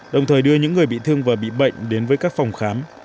đồng thời đưa những người bị thương và bị bệnh đến với các phòng khám